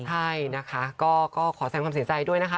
ใช่นะคะก็ขอแสงความเสียใจด้วยนะคะ